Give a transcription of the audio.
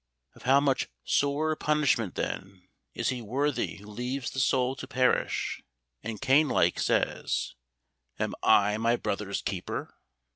Of how much sorer punishment, then, is he worthy who leaves the soul to perish, and Cain like says, "Am I my brother's keeper?"